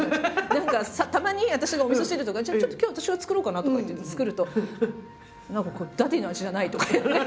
何かたまに私がおみそ汁とかじゃあちょっと今日私が作ろうかなとか言って作ると何かダディーの味じゃないとか言って。